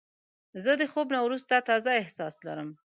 زه د خوب نه وروسته تازه احساس لرم.